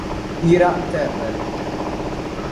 Ira Terrell